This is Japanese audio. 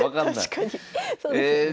確かにそうですね。